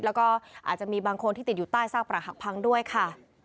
แล้วก็อาจจะมีบางคนที่ติดอยู่ใต้ซากประหักพังด้วยค่ะ